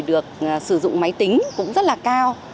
được sử dụng máy tính cũng rất là cao